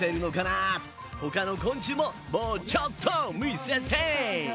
ほかの昆虫ももうちょっと見せて！